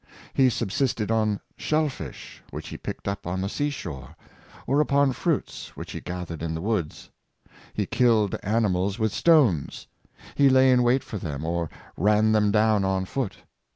He subsisted on shell fish which he picked up on the sea shore, or upon fi^uits which he gathered in the woods. He killed animals with stones. He lay in wait for them, or ran them down on foot.